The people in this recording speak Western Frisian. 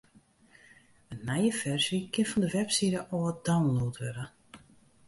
In nije ferzje kin fan de webside ôf download wurde.